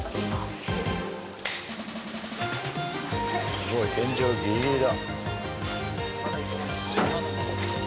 すごい天井ギリギリだ。